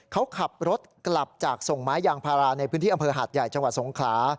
เขาขับรถกลับจากส่งไม้ยางพาราในพื้นที่อำเภอหาดใหญ่จังหวัดสงขลา